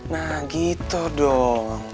nah gitu dong